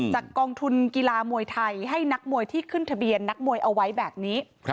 กองทุนกีฬามวยไทยให้นักมวยที่ขึ้นทะเบียนนักมวยเอาไว้แบบนี้